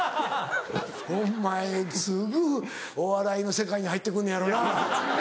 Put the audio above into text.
お前すぐお笑いの世界に入って来んのやろうな。